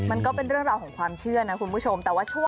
มันก็เป็นเรื่องราวของความเชื่อนะคุณผู้ชมแต่ว่าช่วง